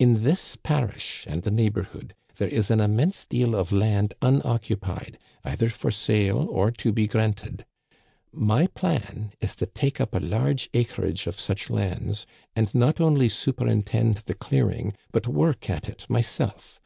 In this parish and the neighborhood there is an immense deal of land unoccupied, either for sale or to be granted. My plan is to take up a large acreage of such lands, and not only superintend the clearing, but work at it myself.